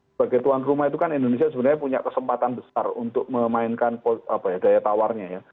sebagai tuan rumah itu kan indonesia sebenarnya punya kesempatan besar untuk memainkan daya tawarnya ya